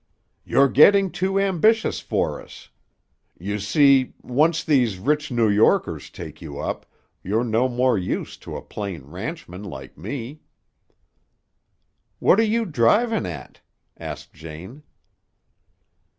"You're getting too ambitious for us. You see, once these rich New Yorkers take you up, you're no more use to a plain ranchman like me." "What are you drivin' at?" asked Jane.